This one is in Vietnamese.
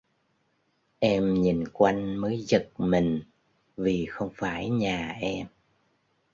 Em nhìn quanh mới giật mình vì không phải nhà em